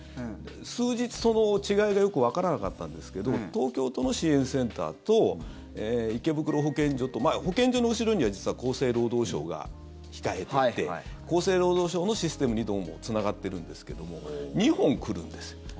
数日その違いがよくわからなかったんですけど東京都の支援センターと池袋保健所と保健所の後ろには実は厚生労働省が控えていて厚生労働省のシステムにどうもつながっているんですけど２本来るんです。